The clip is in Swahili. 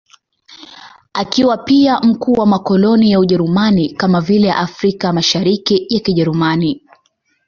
Akiwa pia mkuu wa makoloni ya Ujerumani, kama vile Afrika ya Mashariki ya Kijerumani.